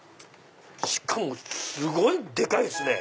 しかもすごいでかいっすね！